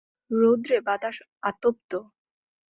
রৌদ্রে বাতাস আতপ্ত।